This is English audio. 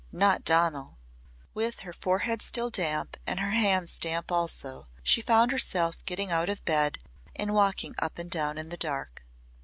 Not Donal! With her forehead still damp and her hands damp also she found herself getting out of bed and walking up and down in the dark.